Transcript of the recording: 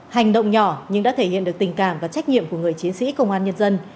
hành động nhỏ nhưng đã thể hiện được tình cảm và trách nhiệm của người chiến sĩ công an nhân dân